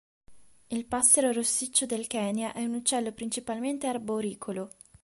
Il passero rossiccio del Kenya è un uccello principalmente arboricolo.